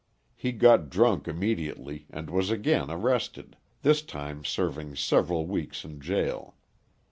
He got drunk immediately and was again arrested, this time serving several weeks in jail.